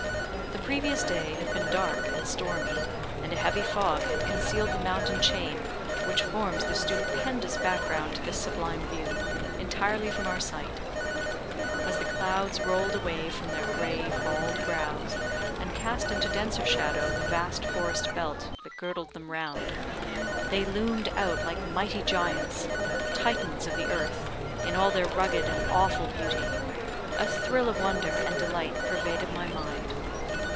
The previous day had been dark and stormy, and a heavy fog had concealed the mountain chain, which forms the stupendous background to this sublime view, entirely from our sight. As the clouds rolled away from their grey, bald brows, and cast into denser shadow the vast forest belt that girdled them round, they loomed out like mighty giants Titans of the earth, in all their rugged and awful beauty a thrill of wonder and delight pervaded my mind.